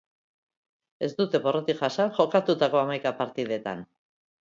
Ez dute porrotik jasan jokatutako hamaika partidetan.